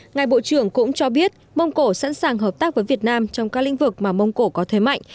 ngài bộ trưởng cũng cho biết mông cổ sẵn sàng hợp tác với việt nam trong các lĩnh vực mà mông cổ có thế mạnh